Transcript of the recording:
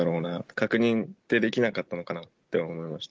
確認ってできなかったのかなって思いました。